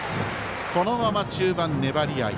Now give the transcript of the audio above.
このまま中盤、粘りあり。